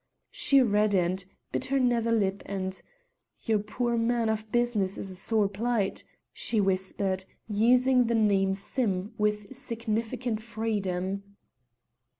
She reddened, bit her nether lip, and "Your poor man of business is in a sore plight," she whispered, using the name Sim with significant freedom.